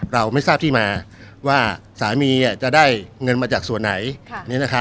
เราไม่ทราบที่มาว่าสามีจะได้เงินมาจากส่วนไหน